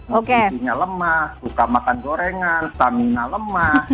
nutrisinya lemah suka makan gorengan stamina lemah